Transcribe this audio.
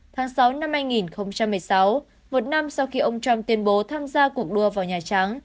tháng sáu năm hai nghìn một mươi sáu một năm sau khi ông trump tuyên bố tham gia cuộc đua vào nhà trắng